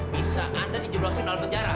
bisa anda dijemput di dalam penjara